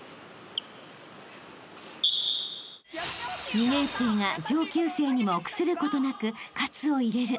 ［２年生が上級生にも臆することなく喝を入れる］